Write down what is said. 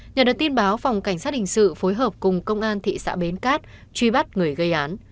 nhờ được tin báo phòng cảnh sát hình sự phối hợp cùng công an thị xã bến cát truy bắt người gây án